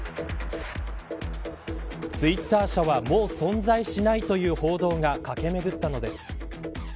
ツイッター社はもう存在しないという報道が駆けめぐったのです。